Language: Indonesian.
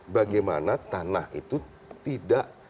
bagaimana tanah itu tidak